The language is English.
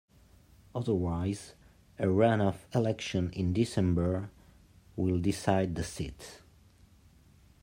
Otherwise, a runoff election in December will decide the seat.